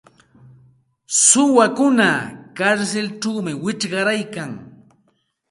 Suwakuna karsilćhawmi wichqaryarkan.